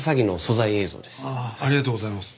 ありがとうございます。